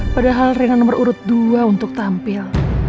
padahal dengan nomor urut dua untuk tampil